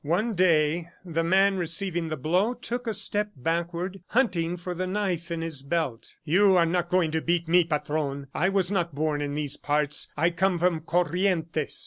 One day, the man receiving the blow, took a step backward, hunting for the knife in his belt. "You are not going to beat me, Patron. I was not born in these parts. ... I come from Corrientes."